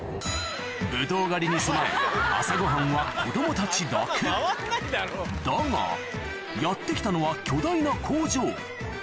ブドウ狩りに備え朝ごはんは子供たちだけだがやって来たのは巨大な工場